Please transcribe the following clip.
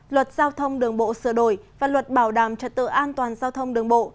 luật giao thông đường bộ sửa đổi và luật bảo đảm trật tự an toàn giao thông đường bộ